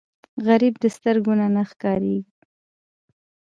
غریب د سترګو نه ښکارېږي